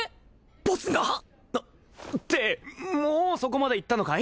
ボスが！？ってもうそこまで行ったのかい！？